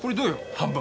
半分。